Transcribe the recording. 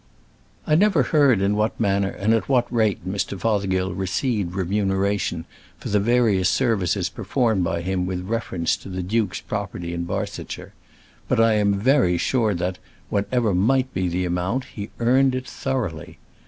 I never heard in what manner and at what rate Mr. Fothergill received remuneration for the various services performed by him with reference to the duke's property in Barsetshire; but I am very sure that, whatever might be the amount, he earned it thoroughly.